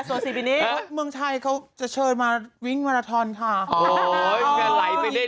โซซีบินี่เพราะเมืองไทยเขาจะเชิญมาวิ่งมาลาทอนค่ะอ๋อมันก็ไหลไปได้